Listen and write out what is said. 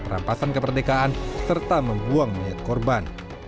rampasan keperdekaan serta membuang mayat korban